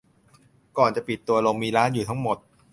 ก่อนจะปิดตัวลงมีร้านอยู่ทั้งหมด